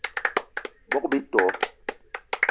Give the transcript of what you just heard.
Bogb-ito